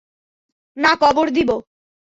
না কবর দিব?